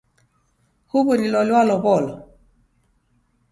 Huw'u ni loli walow'olo?